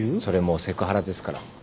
それもうセクハラですから。